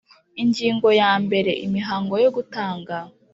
Ingingo ya mbere Imihango yo gutanga